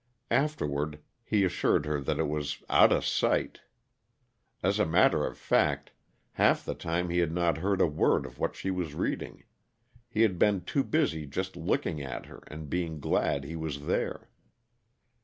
Afterward, he assured her that it was "outa sight." As a matter of fact, half the time he had not heard a word of what she was reading; he had been too busy just looking at her and being glad he was there.